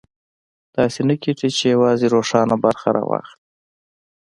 داسې نه کېږي چې یوازې روښانه برخه راواخلي.